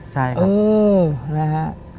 ใช่ครับ